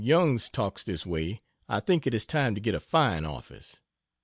Youngs talks this way, I think it time to get a fine office.